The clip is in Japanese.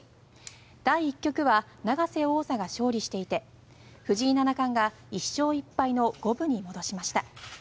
第１局は永瀬王座が勝利していて藤井七冠が１勝１敗の五分に戻しました。